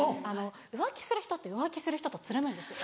浮気する人って浮気する人とつるむんですよ。